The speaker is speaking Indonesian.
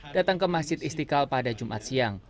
datang ke masjid istiqlal pada jumat siang